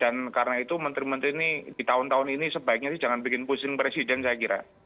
dan karena itu menteri menteri ini di tahun tahun ini sebaiknya sih jangan bikin pusing presiden saya kira